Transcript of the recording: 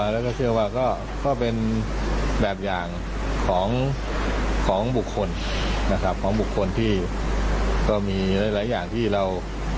แล้วก็เชื่อว่าก็เป็นแบบอย่างของบุคคลนะครับของบุคคลที่ก็มีหลายอย่างที่เรา